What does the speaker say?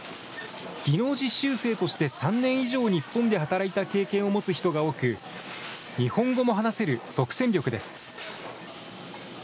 技能実習生として３年以上、日本で働いた経験を持つ人が多く、日本語も話せる即戦力です。